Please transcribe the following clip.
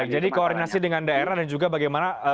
jadi koordinasi dengan daerah dan juga bagaimana